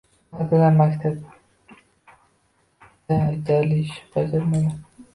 Ba’zilari maktabda aytarli ish bajarmagan.